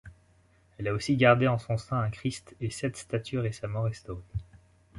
Elle a aussi gardé en son sein un Christ et sept statues récemment restaurées.